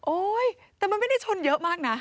แต่มันไม่ได้ชนเยอะมากนะ